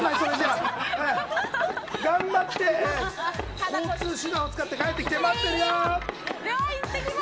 頑張って交通手段を使って帰ってきて、待ってるよ。